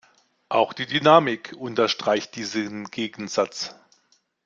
Auch die Dynamik unterstreicht diesen Gegensatz.